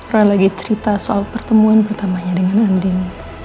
roy lagi cerita soal pertemuan pertamanya dengan andin